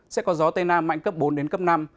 sẽ có gió tây nam mạnh cấp bốn đến cấp năm